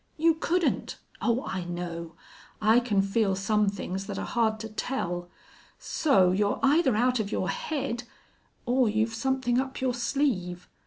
You couldn't! Oh, I know. I can feel some things that are hard to tell. So, you're either out of your head or you've something up your sleeve.